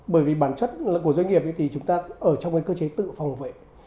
bởi vì bản chất của doanh nghiệp thì chúng ta ở trong cái cơ chế tự phòng vệ